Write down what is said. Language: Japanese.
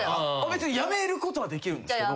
別にやめることはできるんですけど。